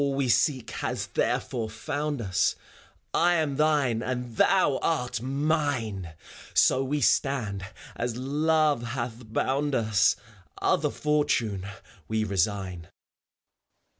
FAuar. All we seek has therefore found us; I am thine and thou art mine! So we stand as Love hath bound us : Other fortune we rasiign.